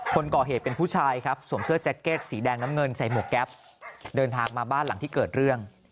คนก่อเหตุเป็นผู้ชายครับสวมเสื้อแจ็คเก็ตสีแดงน้ำเงินใส่หมวกแก๊ปเดินทางมาบ้านหลังที่เกิดเรื่อง